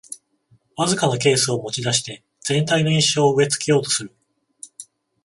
わずかなケースを持ちだして全体の印象を植え付けようとする